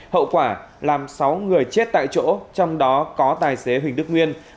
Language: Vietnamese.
hậu quả làm sáu người chết tại chỗ trong đó có tài xế huỳnh đức nguyên